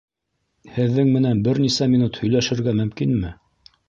Һеҙҙең менән бер нисә минут һөйләшергә мөмкинме?